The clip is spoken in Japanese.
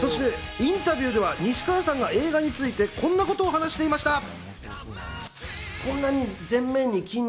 インタビューでは西川さんが映画について、こんなことを話していました。